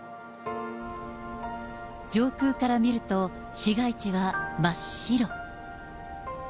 上空から見ると、市街地は真っ白。